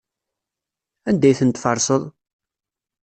Anda ay tent-tferseḍ?